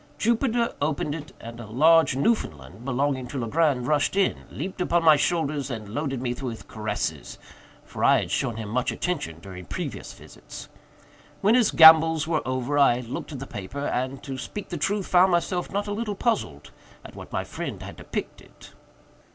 Jupiter opened it, and a large Newfoundland, belonging to Legrand, rushed in, leaped upon my shoulders, and loaded me with caresses; for I had shown him much attention during previous visits. When his gambols were over, I looked at the paper, and, to speak the truth, found myself not a little puzzled at what my friend had depicted.